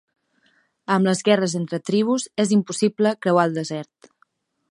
Amb les guerres entre tribus, és impossible creuar el desert.